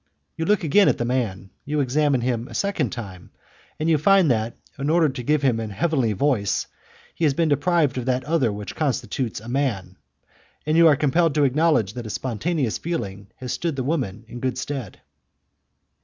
You look again at the man, you examine him a second time, and you find that, in order to give him a heavenly voice, he has been deprived of that which constitutes a man, and you are compelled to acknowledge that a spontaneous feeling has stood the woman in good stead."